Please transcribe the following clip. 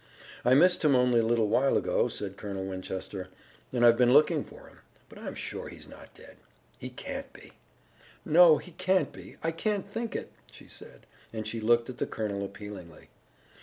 "I missed him only a little while ago," said Colonel Winchester, "and I've been looking for him. But I'm sure he is not dead. He can't be!" "No, he can't be! I can't think it!" she said, and she looked at the colonel appealingly.